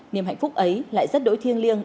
niềm hạnh phúc ấy lại rất đổi thiêng liêng